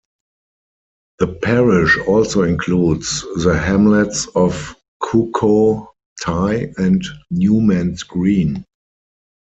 The parish also includes the hamlets of Cuckoo Tye and Newman's Green.